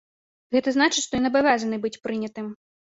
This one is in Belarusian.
Гэта значыць, што ён абавязаны быць прынятым.